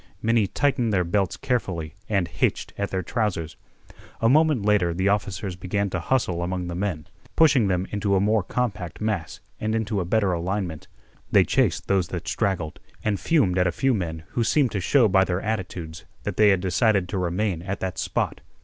Many tightened their belts carefully and hitched at their trousers. A moment later the officers began to bustle among the men, pushing them into a more compact mass and into a better alignment. They chased those that straggled and fumed at a few men who seemed to show by their attitudes that they had decided to remain at that spot.